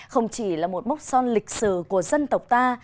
không chỉ là một mốc son lịch sử của dân tộc ta